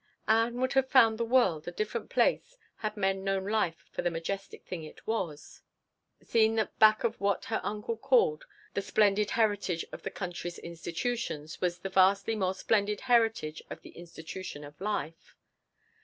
Ann would have found the world a different place had men known life for the majestic thing it was, seen that back of what her uncle called the "splendid heritage of the country's institutions" was the vastly more splendid heritage of the institution of life.